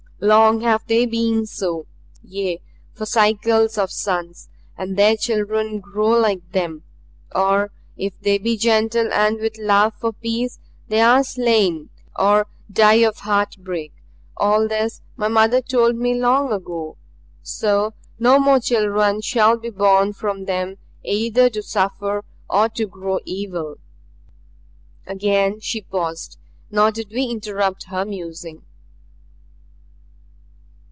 Long have they been so yea, for cycles of suns. And their children grow like them or if they be gentle and with love for peace they are slain or die of heartbreak. All this my mother told me long ago. So no more children shall be born from them either to suffer or to grow evil." Again she paused, nor did we interrupt her musing.